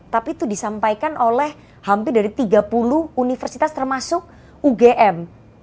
tapi itu disampaikan oleh hampir dari tiga puluh universitas termasuk ugm